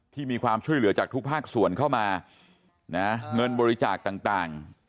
ที่มีความช่วยเหลือจากทุกภาคส่วนเข้ามาเงินบริจาคต่าง